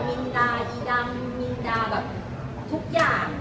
มีนดาอีดำมินดาแบบทุกอย่าง